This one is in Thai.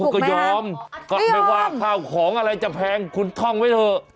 ก็ยอมก็ไม่ว่าข้าวของอะไรจะแพงคุณท่องไว้เถอะ